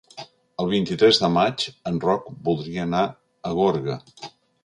El vint-i-tres de maig en Roc voldria anar a Gorga.